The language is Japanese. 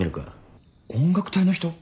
音楽隊の人？